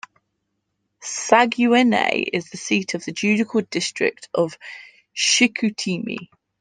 Saguenay is the seat of the judicial district of Chicoutimi.